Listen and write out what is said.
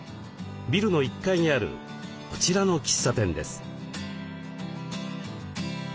ビルの１階にあるこちらの喫茶店です。